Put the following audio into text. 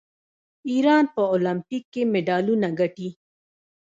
ایران په المپیک کې مډالونه ګټي.